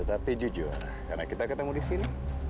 tapi jujur karena kita ketemu di sini